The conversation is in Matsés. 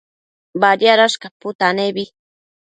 Badiadash caputanebi